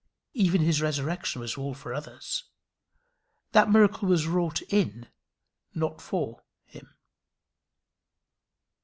Even his resurrection was all for others. That miracle was wrought in, not for him.